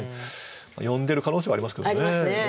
読んでる可能性はありますけどね。ありますね。